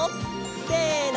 せの！